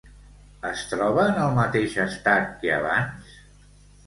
Es troba en el mateix estat que abans?